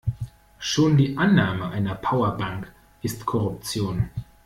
Schon die Annahme einer Powerbank ist Korruption.